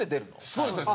そうですそうです。